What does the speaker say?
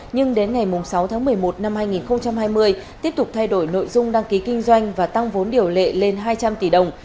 nhưng đến ngày sáu tháng một mươi một năm hai nghìn hai mươi tiếp tục thay đổi nội dung đăng ký kinh doanh và tăng vốn điều lệ lên hai trăm linh tỷ đồng